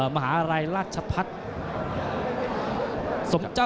มหาลัยราชพัฒน์